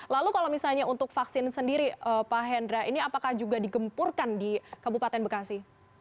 lalu kalau misalnya untuk vaksin sendiri pak hendra ini apakah juga digempurkan di kabupaten bekasi